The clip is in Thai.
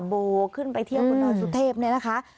โบกขึ้นไปเที่ยวบนร้อยสุเทพฯนี่นะคะ